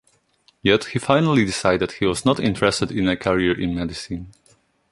Yet he finally decided he was not interested in a career in medicine.